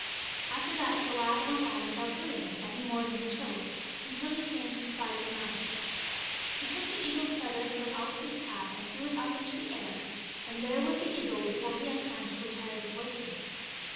After that the lad went on without hurrying any more than he chose, until he came to the side of the mountain. He took the eagle's feather from out his cap and threw it up in the air, and there was the eagle before he had time to grow tired of waiting.